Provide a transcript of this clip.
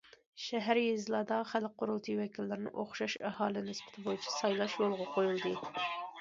شەھەر، يېزىلاردا خەلق قۇرۇلتىيى ۋەكىللىرىنى ئوخشاش ئاھالە نىسبىتى بويىچە سايلاش يولغا قويۇلدى.